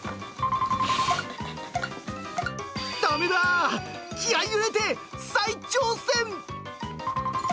だめだ、気合い入れて、再挑戦。